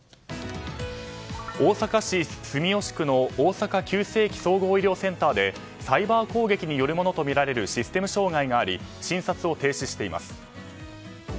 大阪市住吉区の大阪急性期・総合医療センターでサイバー攻撃によるものとみられるシステム障害があり診察を停止しています。